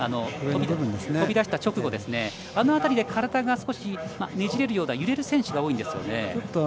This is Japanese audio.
飛び出した直後ですねあの辺りで体がねじれるような揺れる選手が多いんですよね。